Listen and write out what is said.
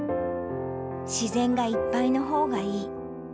自然がいっぱいのほうがいい。